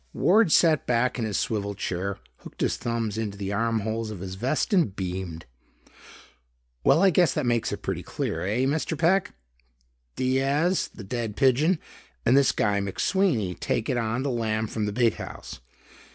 Ward sat back in his swivel chair, hooked his thumbs into the arm holes of his vest and beamed. "Well, I guess that makes it pretty clear. Eh, Mr. Peck? Diaz, the dead pigeon, and this guy McSweeney take it on the lam from the big house.